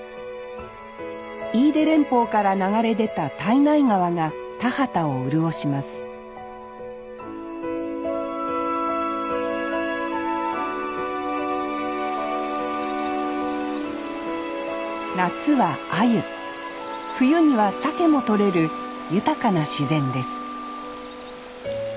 飯豊連峰から流れ出た胎内川が田畑を潤します夏はアユ冬にはサケも取れる豊かな自然です